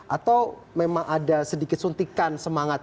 atau memang ada sedikit suntikan semangat